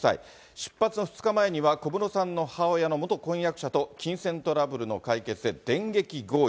出発２日前には、小室さんの母親の元婚約者と金銭トラブルの解決へ、電撃合意。